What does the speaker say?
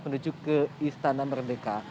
menuju ke istana merdeka